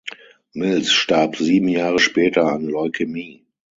Mills starb sieben Jahre später an Leukämie.